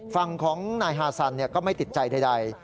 ฝั่งของนายฮาซันก็ไม่ติดใจใด